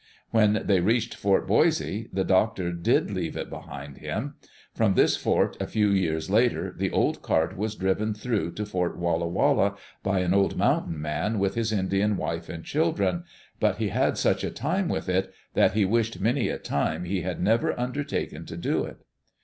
When they reached Fort Boise, the doctor did leave it behind him. From this fort, a few years later, the old cart was driven through to Fort Walla Walla by an old " mountain man " with his Indian wife and children, but he had such a time with it that he wished many a time he had never under taken to do it.